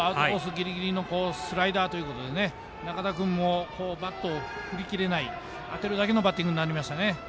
ぎりぎりのスライダーということで仲田君もバット振り切れない当てるだけのバッティングになりましたね。